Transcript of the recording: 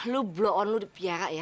lu blow on lu di piara ya